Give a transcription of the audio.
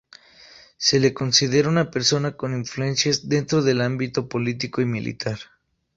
Se le considera una persona con influencias dentro del ámbito político y militar.